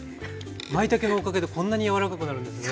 まいたけのおかげでこんなに柔らかくなるんですね。